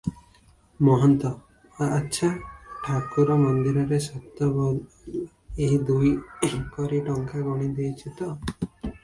ମହନ୍ତ- ଆଚ୍ଛା, ଠାକୁର ମନ୍ଦିରରେ ସତ ବୋଲ, ଏକ ଦୁଇ କରି ଟଙ୍କା ଗଣି ଦେଇଛ ତ?